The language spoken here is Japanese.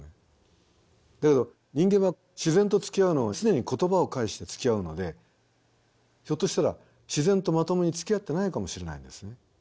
だけど人間は自然とつきあうのを常に言葉を介してつきあうのでひょっとしたら自然とまともにつきあってないかもしれないんですね。